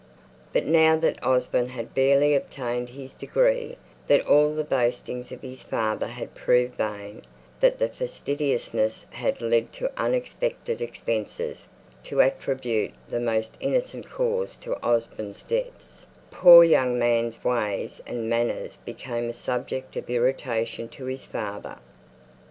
But now that Osborne had barely obtained his degree; that all the boastings of his father had proved vain; that the fastidiousness had led to unexpected expenses (to attribute the most innocent cause to Osborne's debts), the poor young man's ways and manners became a subject of irritation to his father.